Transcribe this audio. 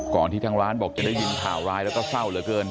ที่ทางร้านบอกจะได้ยินข่าวร้ายแล้วก็เศร้าเหลือเกิน